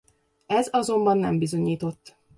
Ez azonban nem bizonyított.